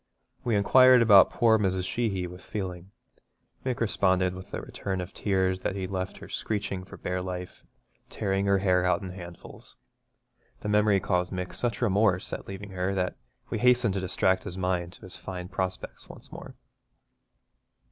We inquired about poor Mrs. Sheeny with feeling. Mick responded with a return of tears that he'd left her screeching for bare life and tearing her hair out in handfuls. The memory caused Mick such remorse at leaving her that we hastened to distract his mind to his fine prospects once more.